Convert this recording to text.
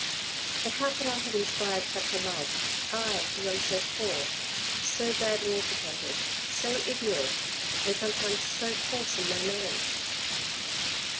But how could I have inspired such a love, I who am so poor, so badly educated, so ignorant, and sometimes so coarse in my manners